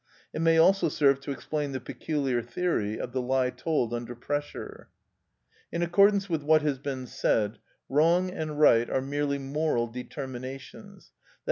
It may also serve to explain the peculiar theory of the lie told under pressure.(75) In accordance with what has been said, wrong and right are merely moral determinations, _i.